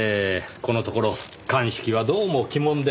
このところ鑑識はどうも鬼門で。